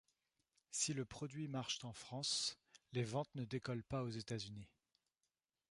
Si le produit marche en France, les ventes ne décollent pas aux États-Unis.